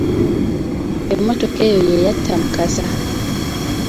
Emmotoka eyo ye yatta Mukasa!